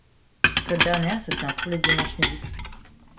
Cette dernière se tient tous les dimanches midi.